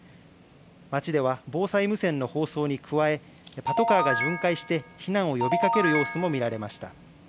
町では防災無線の放送に加えパトカーが巡回して避難を呼びかける様子も見られました。